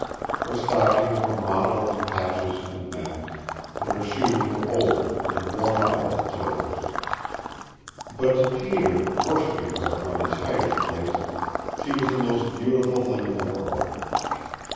Her stockings were mottled with patches and mends, and her shoes were old, and worn out at the toes. But to Peter, worshipping her from his hiding place, she was the most beautiful thing in the world.